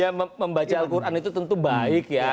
ya membaca al quran itu tentu baik ya